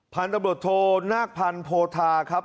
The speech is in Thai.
พันธบทนาคพันธ์โพธาครับ